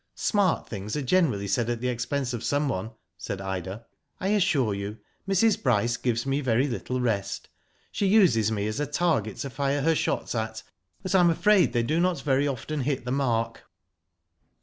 ''Smart things are generally said at the expense of someone," said Ida. '' I assure you Mrs. Bryce gives me very little rest. She uses me as a target to fire her shots at, but I am afraid they do not very often hit the mark."